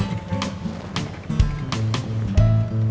bentar ya ma